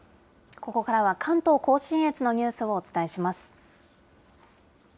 ここからは、関東甲信越のニュースをお伝えします。